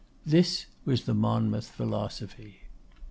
This was the Monmouth Philosophy.